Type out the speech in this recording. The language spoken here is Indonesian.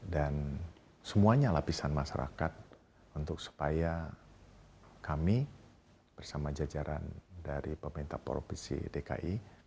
dan semuanya lapisan masyarakat untuk supaya kami bersama jajaran dari pemerintah provinsi dki